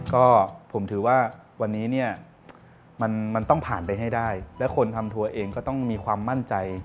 ก็ผมถือว่าวันนี้เนี่ยมันต้องผ่านไปให้ได้และคนทำทัวร์เองก็ต้องมีความมั่นใจ